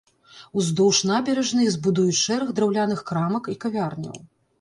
Уздоўж набярэжнай збудуюць шэраг драўляных крамак і кавярняў.